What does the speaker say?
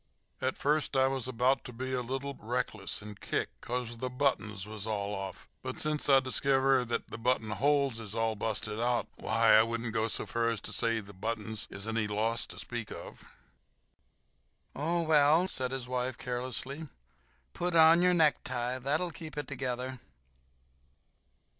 "At first I was about ter be a little reckless and kick 'cause ther buttons was all off, but since I diskiver that the button holes is all busted out, why, I wouldn't go so fur as to say the buttons is any loss to speak of." "Oh, well," said his wife, carelessly, "put on your necktie—that'll keep it together."